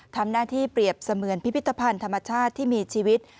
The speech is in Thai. ทำหน้าที่เปรียบเสมือนพิพิธภัณฑ์ธรรมชาติที่มีชีวิต